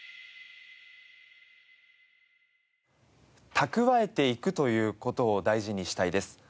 蓄えていくという事を大事にしたいです。